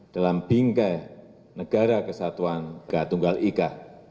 dalam bingkai negara kesatuan gatunggal ika